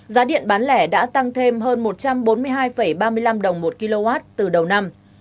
giá điện bán lẻ đã tăng thêm hơn một trăm bốn mươi hai ba mươi năm đồng một kwh từ đầu năm